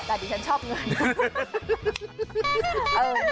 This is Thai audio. แต่ดิฉันชอบเงิน